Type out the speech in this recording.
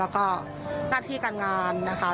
แล้วก็หน้าที่การงานนะคะ